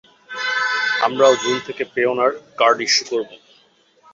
আমরাও জুন থেকে Payoneer card issue করব।